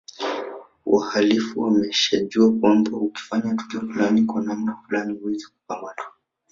Wahalifu wameshajua kwamba ukifanya tukio fulani kwa namna fulani huwezi kukamatwa